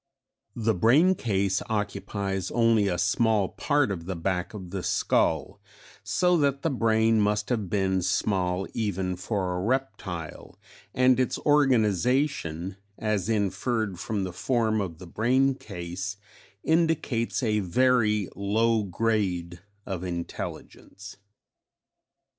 "The brain case occupies only a small part of the back of the skull, so that the brain must have been small even for a reptile, and its organization (as inferred from the form of the brain case) indicates a very low grade of intelligence.